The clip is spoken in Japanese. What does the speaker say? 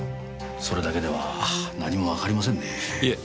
それだけでは何もわかりませんねえ。